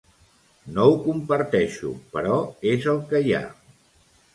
No ho comparteixo, però és el que hi ha.